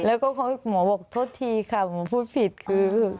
แล้วก็หมอบอกทดทีค่ะหมอพูดผิดคือ